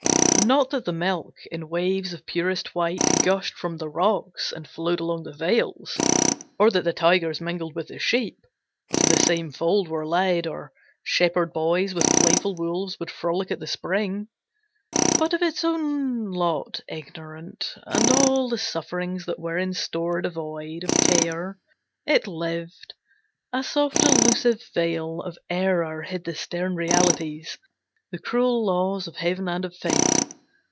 Not that the milk, in waves of purest white, Gushed from the rocks, and flowed along the vales; Or that the tigers mingled with the sheep, To the same fold were led; or shepherd boys With playful wolves would frolic at the spring; But of its own lot ignorant, and all The sufferings that were in store, devoid Of care it lived: a soft, illusive veil Of error hid the stern realities, The cruel laws of heaven and of fate.